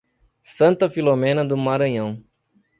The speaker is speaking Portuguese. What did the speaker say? Santa Filomena do Maranhão